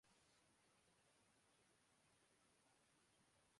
اب معاملہ کھل رہا ہے۔